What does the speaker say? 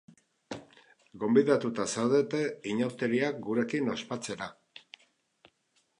Gonbidatuta zaudete inauteriak gurekin ospatzera!